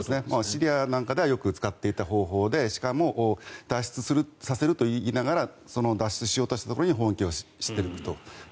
シリアなんかではよく使っていた方法でしかも脱出させるといいながら脱出しようとしたところに砲撃しようとしていると。